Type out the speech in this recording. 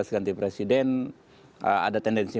ganti presiden ada tendensi